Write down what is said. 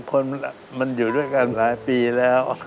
คนมันอยู่ด้วยกันหลายปีแล้ว